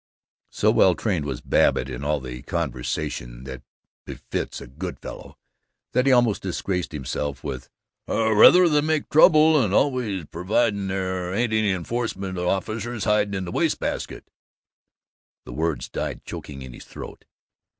So well trained was Babbitt in all the conversation that befits a Good Fellow that he almost disgraced himself with "Rather than make trouble, and always providin' there ain't any enforcement officers hiding in the waste basket " The words died choking in his throat.